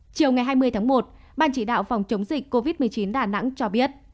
chiều ngày hai mươi tháng một ban chỉ đạo phòng chống dịch covid một mươi chín đà nẵng cho biết